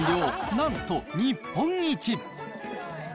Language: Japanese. なんと日本一。